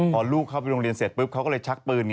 พอลูกเข้าไปโรงเรียนเสร็จปุ๊บเขาก็เลยชักปืน